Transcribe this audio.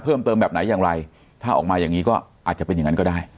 เพิ่มเติมแบบไหนอย่างไรถ้าออกมาอย่างนี้ก็อาจจะเป็นอย่างนั้นก็ได้